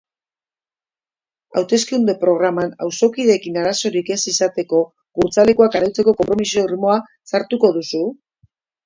Hauteskunde-programan, auzokideekin arazorik ez izateko gurtza lekuak arautzeko konpromiso irmoa sartuko duzu?